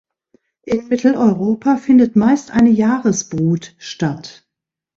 In Mitteleuropa findet meist eine Jahresbrut statt.